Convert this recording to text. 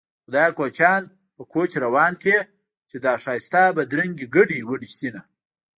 خدايه کوچيان په کوچ روان کړې چې دا ښايسته بدرنګې ګډې وډې شينه